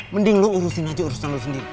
mending lo urusin aja urusan lo sendiri